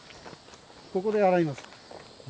ここで洗います。